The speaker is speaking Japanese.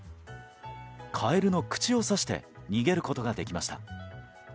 カエルの口を刺して逃げることができました。